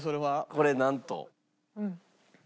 これなんと。